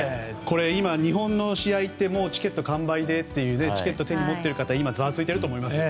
今、日本の試合ってもうチケット完売でチケット手に持っている方はざわついていると思いますよ。